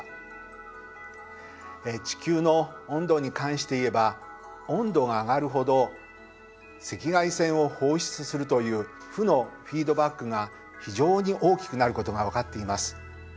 地球の温度に関して言えば温度が上がるほど赤外線を放出するという負のフィードバックが非常に大きくなることが分かっています。